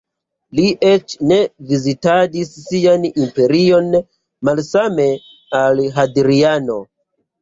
Li eĉ ne vizitadis sian imperion malsame al Hadriano.